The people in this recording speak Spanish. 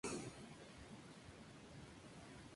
Todo el cuerpo tiene una textura granulosa.